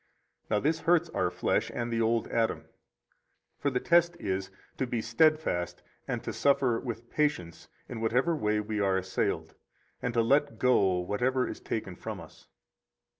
66 Now, this hurts our flesh and the old Adam; for the test is to be steadfast and to suffer with patience in whatever way we are assailed, and to let go whatever is taken from us.